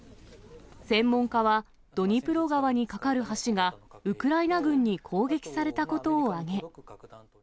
専門家は、ドニプロ川に架かる橋がウクライナ軍に攻撃されたことを挙げ。